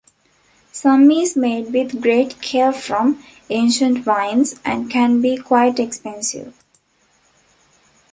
Some is made with great care from ancient vines and can be quite expensive.